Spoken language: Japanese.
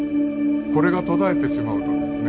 これが途絶えてしまうとですね